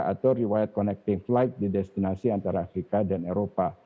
atau riwayat connective flight di destinasi antara afrika dan eropa